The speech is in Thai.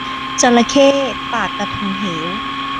จระเข้ปากกระทุงเหว